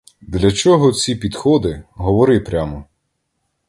Для чого ці підходи, говори прямо.